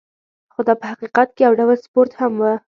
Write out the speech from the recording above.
خو دا په حقیقت کې یو ډول سپورت هم و.